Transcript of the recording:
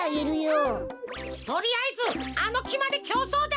とりあえずあのきまできょうそうだ！